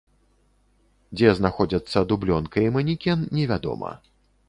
Дзе знаходзяцца дублёнка і манекен, невядома.